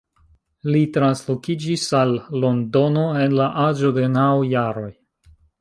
Li translokiĝis al Londono en la aĝo de naŭ jaroj.